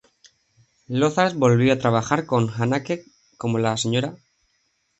Lothar volvió a trabajar con Haneke, como la "Sra.